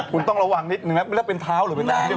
คุณต้องระวังนิดนึงนะไม่รู้เป็นเท้าหรือเป็นนาง